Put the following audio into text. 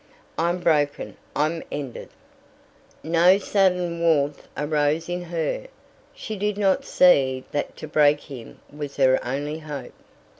I'm broken I'm ended. " No sudden warmth arose in her. She did not see that to break him was her only hope.